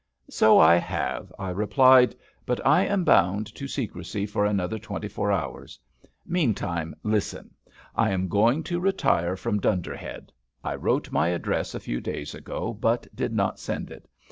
"So I have," I replied, "but I am bound to secrecy for another twenty four hours; meantime, listen! I am going to retire from Dunderhead. I wrote my address a few days ago, but did not send it.